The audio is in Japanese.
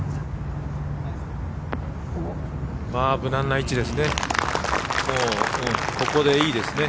無難な位置ですね。